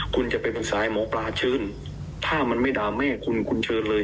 คุณจะไปปรึกษาหมอปลาเชิญถ้ามันไม่ด่าแม่คุณคุณเชิญเลย